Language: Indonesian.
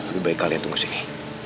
lebih baik kalian tunggu sini